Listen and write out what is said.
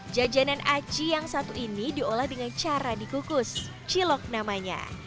jajanan aci yang satu ini diolah dengan cara dikukus cilok namanya